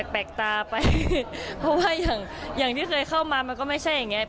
แปลกตาไปเพราะว่าอย่างที่เคยเข้ามามันก็ไม่ใช่อย่างนี้